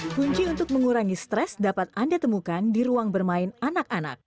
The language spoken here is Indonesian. kunci untuk mengurangi stres dapat anda temukan di ruang bermain anak anak